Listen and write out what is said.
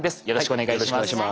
よろしくお願いします。